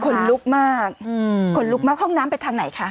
คนลุกมากขนลุกมากห้องน้ำไปทางไหนคะ